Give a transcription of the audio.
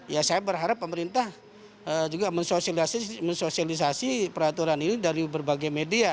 ya saya berharap pemerintah juga mensosialisasi peraturan ini dari berbagai media